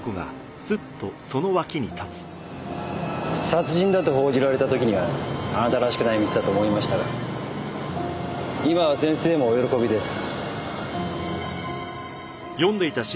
殺人だと報じられた時にはあなたらしくないミスだと思いましたが今は先生もお喜びです。